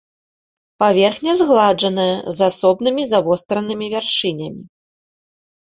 Паверхня згладжаная, з асобнымі завостранымі вяршынямі.